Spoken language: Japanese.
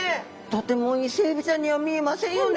とてもイセエビちゃんには見えませんよね。